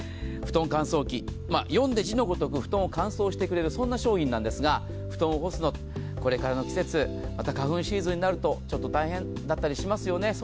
ふとん乾燥機、読んで字のごとくふとんを乾燥してくれるそんな商品なんですがふとんを干すのって、これからの季節、また花粉シーズンになるとちょっと大変だったりしますよね。